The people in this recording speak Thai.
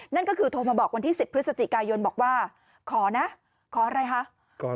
นั่นก็คือโทรมาบอกวันที่๑๐พฤศจิกายนบอกว่าขอนะขออะไรคะ